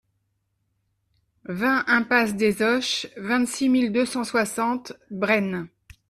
vingt impasse des Oches, vingt-six mille deux cent soixante Bren